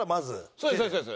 そうですそうです。